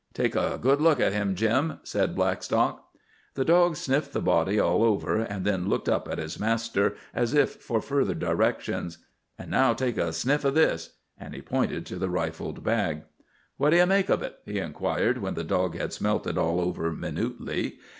"Take a good look at him, Jim," said Blackstock. The dog sniffed the body all over, and then looked up at his master as if for further directions. "An' now take a sniff at this." And he pointed to the rifled bag. "What do you make of it?" he inquired when the dog had smelt it all over minutely.